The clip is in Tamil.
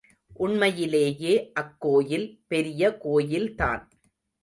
உண்மையிலேயே அக்கோயில் பெரிய கோயில்தான்.